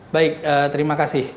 baik terima kasih